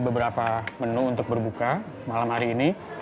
beberapa menu untuk berbuka malam hari ini